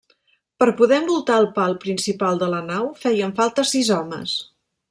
Per poder envoltar el pal principal de la nau feien falta sis homes.